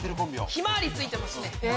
ひまわりついてますね。